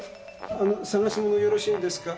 あの探し物よろしいんですか？